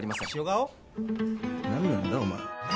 何なんだお前